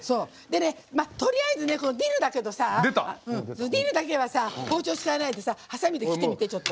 とりあえず、ディルだけどさディルだけは、包丁使わないではさみで切ってみて、ちょっと。